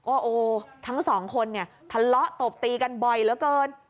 โอ้ทั้งสองคนเนี่ยทะเลาะตบตีกันบ่อยเหลือเกิน